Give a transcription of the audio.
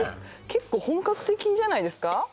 結構本格的じゃないですか？